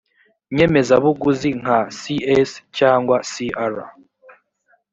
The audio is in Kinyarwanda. nyemezabuguzi nka cs cyangwa cr